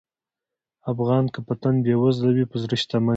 افغان که په تن بېوزله وي، په زړه شتمن وي.